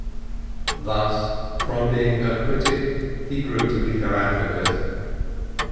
Thus from being her critic he grew to be her advocate.